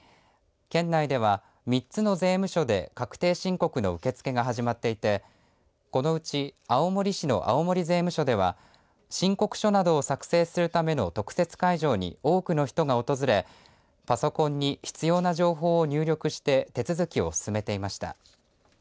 県内では３つの税務署で確定申告の受け付けが始まっていてこのうち青森市の青森税務署では申告書などを作成するための特設会場に多くの人が訪れパソコンに必要な情報を入力して手続きを進めていました。